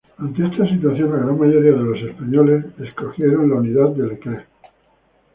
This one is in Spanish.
Ante esta situación, la gran mayoría de los españoles escogió la unidad de Leclerc.